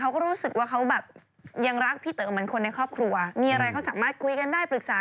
ก็รู้สึกว่าแห้งรักตั๋วมากกว่าคนในครอบครัว